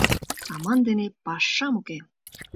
Саман дене пашам уке!